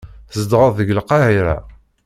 Tzedɣeḍ deg Lqahira.